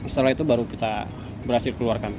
setelah itu baru kita berhasil keluarkan